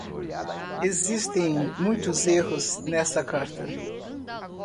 Existem muitos erros nessa carta.